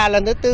lần thứ bốn